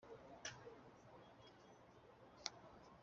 … Ahuuu!. .. Inzu yo ni iy’abakobwa.”